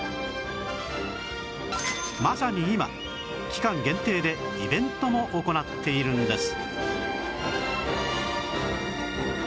まさに今期間限定でイベントも行っているんです